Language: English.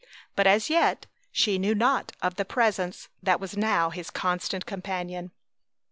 But as yet she knew not of the Presence that was now his constant companion.